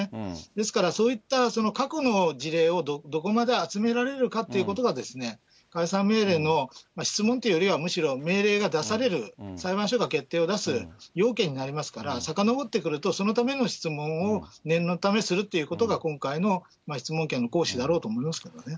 ですから、そういった、その過去の事例を、どこまで集められるかということが、解散命令の質問というよりは、むしろ命令が出される、裁判所が決定を出す要件になりますから、さかのぼってくると、そのための質問を念のためするっていうことが、今回の質問権の行使だろうと思いますけどね。